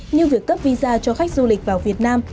như việc cấp visa cho khách du lịch vào việt nam